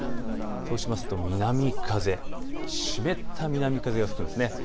そうすると南風、湿った南風が吹くんです。